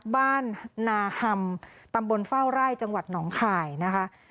บ้านนาฮำตำบลเฝ้าไร่จังหวัดหนองข่ายนะคะ